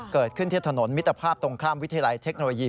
เกิดขึ้นที่ถนนมิตรภาพตรงข้ามวิทยาลัยเทคโนโลยี